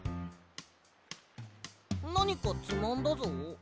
なにかつまんだぞ。